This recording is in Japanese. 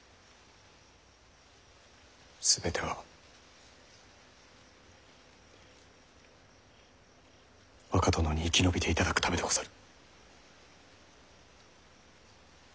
全ては若殿に生き延びていただくためでござる。